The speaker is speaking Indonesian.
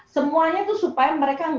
semuanya itu supaya mereka